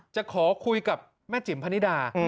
จะขอคุยกับแม่จิ๋มพนิดา